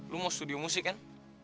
lu mau studio musik kan